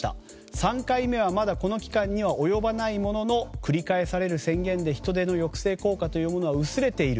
３回目はまだこの期間には及ばないものの繰り返される宣言で人出の抑制効果というものは薄れている。